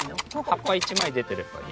葉っぱ一枚出てればいい。